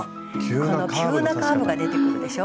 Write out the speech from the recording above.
この急なカーブが出てくるでしょ。